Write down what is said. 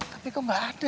tapi kok gak ada ya